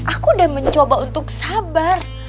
aku udah mencoba untuk sabar